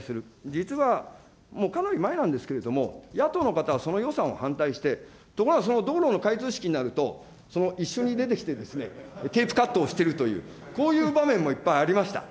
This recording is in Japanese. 実はもうかなり前なんですけれども、野党の方はその予算を反対して、ところが、その道路の開通式になると、その一緒に出てきて、テープカットをしているという、こういう場面もいっぱいありました。